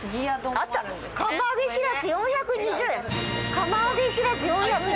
釜揚げしらす４２０円。